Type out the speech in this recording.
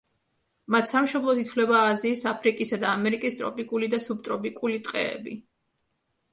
მათ სამშობლოდ ითვლება აზიის, აფრიკისა და ამერიკის ტროპიკული და სუბტროპიკული ქვეყნები.